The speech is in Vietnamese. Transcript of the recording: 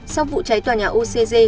sau vụ cháy tòa nhà ocg